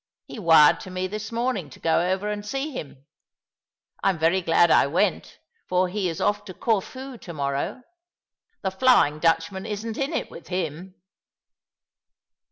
He wired to me this morning to go over and see him. I'm very glad I went, for he is off to Corfu to morrow. The Flying Dutchman isn't in it with him."